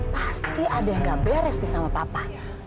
pasti ada yang gak beres nih sama papa